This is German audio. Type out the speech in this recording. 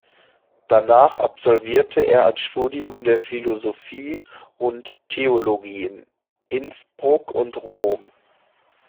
Danach absolvierte er ein Studium der Philosophie und Theologie in Innsbruck und Rom.